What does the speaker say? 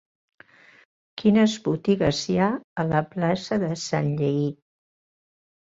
Quines botigues hi ha a la plaça de Sanllehy?